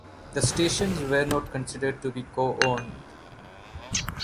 The stations were not considered to be co-owned.